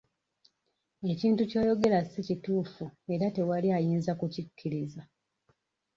Ekintu ky'oyogera si kituufu era tewali ayinza kukkiriza.